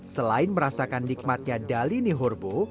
selain merasakan nikmatnya dali nihurbo